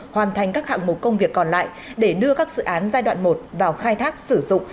hoàn thành các hạng mục công việc còn lại để đưa các dự án giai đoạn một vào khai thác sử dụng